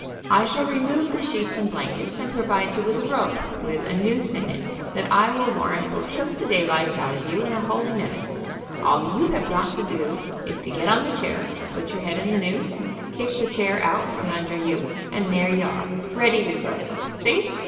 I shall remove the sheets and blankets, and provide you with a rope, with a noose in it that I will warrant will choke the daylights out of you in a holy minute. All you have got to do is to get on the chair, put your head in the noose, kick the chair out from under you, and there you are, ready to croak. See?